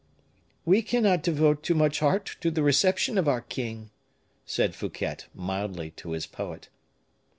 "We cannot devote too much heart to the reception of our king," said Fouquet, mildly, to his poet.